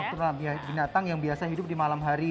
terutama binatang yang biasa hidup di malam hari